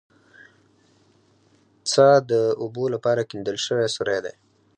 څا د اوبو لپاره کیندل شوی سوری دی